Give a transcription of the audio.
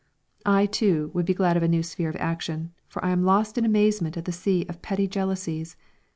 I too would be glad of a new sphere of action, for I am lost in amazement at the sea of petty jealousies.